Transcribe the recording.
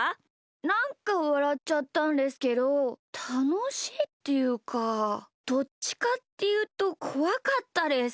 なんかわらっちゃったんですけどたのしいっていうかどっちかっていうとこわかったです。